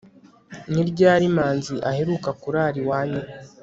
ni ryari manzi aheruka kurara iwanyu